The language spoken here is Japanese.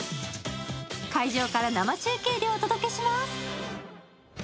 会場から生中継でお届けします。